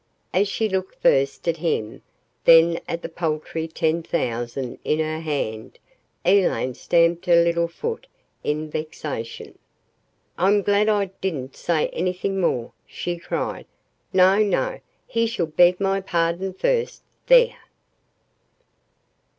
As she looked first at him, then at the paltry ten thousand in her hand, Elaine stamped her little foot in vexation. "I'm glad I DIDN'T say anything more," she cried. "No no he shall beg my pardon first there!"